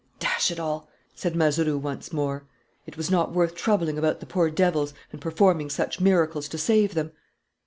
"Dash it all!" said Mazeroux once more. "It was not worth troubling about the poor devils and performing such miracles to save them!"